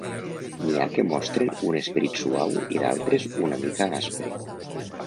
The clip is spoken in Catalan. N'hi ha que mostren un esperit suau i d'altres una mica aspre.